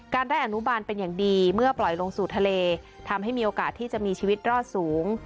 ได้อนุบาลเป็นอย่างดีเมื่อปล่อยลงสู่ทะเลทำให้มีโอกาสที่จะมีชีวิตรอดสูง